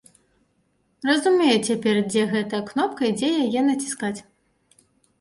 Разумею цяпер, дзе гэтая кнопка і дзе яе націскаць.